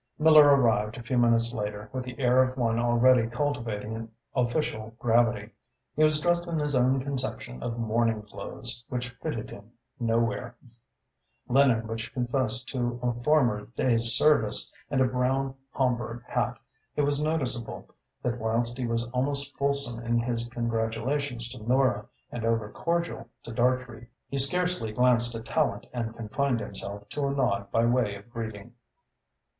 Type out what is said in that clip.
Miller arrived, a few minutes later, with the air of one already cultivating an official gravity. He was dressed in his own conception of morning clothes, which fitted him nowhere, linen which confessed to a former day's service and a brown Homburg hat. It was noticeable that whilst he was almost fulsome in his congratulations to Nora and overcordial to Dartrey, he scarcely glanced at Tallente and confined himself to a nod by way of greeting.